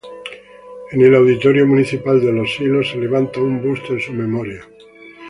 En el auditorio municipal de Los Silos se levanta un busto en su memoria.